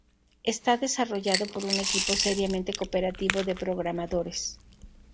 Está desarrollado por un equipo seriamente cooperativo de programadores.